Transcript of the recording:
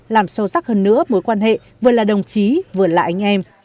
làm sâu sắc hơn nữa mối quan hệ vừa là đồng chí vừa là anh em